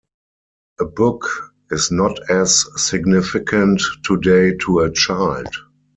A book is not as significant today to a child.